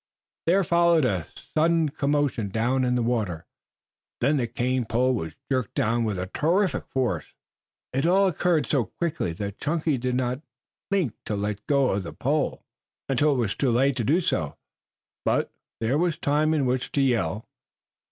There followed a sudden commotion down in the water, then the cane pole was jerked down with terrific force. It all occurred so quickly that Chunky did not think to let go of the pole until it was too late to do so. But there was time in which to yell.